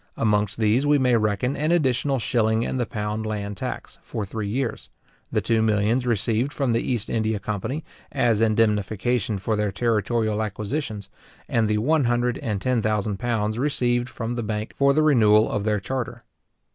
Amongst these we may reckon an additional shilling in the pound land tax, for three years; the two millions received from the East India company, as indemnification for their territorial acquisitions; and the one hundred and ten thousand pounds received from the bank for the renewal of their charter.